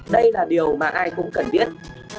đây là điều mà ai cũng cần biết